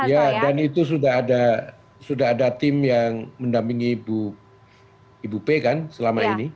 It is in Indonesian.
iya dan itu sudah ada tim yang mendampingi ibu p kan selama ini